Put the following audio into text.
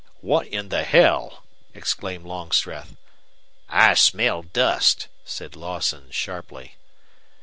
"What in the hell!" exclaimed Longstreth. "I smell dust," said Lawson, sharply.